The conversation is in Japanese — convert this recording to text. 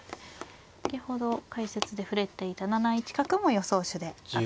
先ほど解説で触れていた７一角も予想手で上がっています。